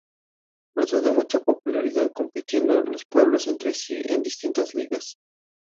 Gozó de mucha popularidad compitiendo los pueblos entre sí en distintas ligas.